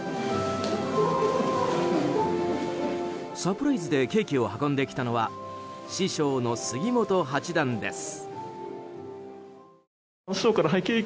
サプライズでケーキを運んできたのは師匠の杉本八段です。